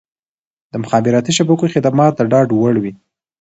د مخابراتي شبکو خدمات د ډاډ وړ وي.